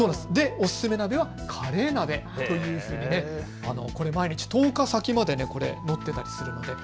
おすすめ鍋はカレー鍋ということで毎日１０日先まで載っていたりするんです。